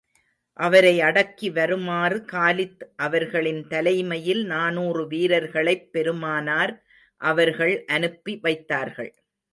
அவரை அடக்கி வருமாறு காலித் அவர்களின் தலைமையில் நானுாறு வீரர்களைப் பெருமானார் அவர்கள் அனுப்பி வைத்தார்கள்.